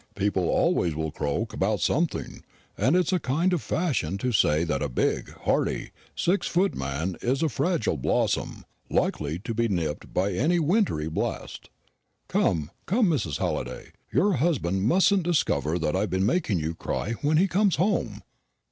People always will croak about something; and it's a kind of fashion to say that a big, hearty, six foot man is a fragile blossom likely to be nipped by any wintry blast. Come, come, Mrs. Halliday, your husband mustn't discover that I've been making you cry when he comes home.